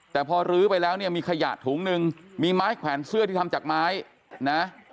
แต่พอรื้อไปแล้วเนี่ยมีขยะถุงหนึ่งมีไม้แขวนเสื้อที่ทำจากไม้นะ